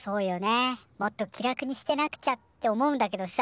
もっと気楽にしてなくちゃ」って思うんだけどさ